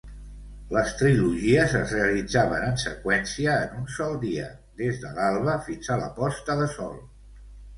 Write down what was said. Les trilogies es realitzaven en seqüència en un sol dia, des de l"alba fins a la posta de sol.